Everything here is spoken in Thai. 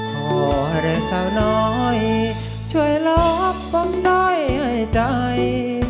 ขออะไรสาวน้อยช่วยรับความด้อยหายใจ